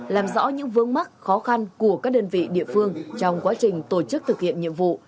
làm rõ những vương mắc khó khăn của các đơn vị địa phương trong quá trình tổ chức thực hiện nhiệm vụ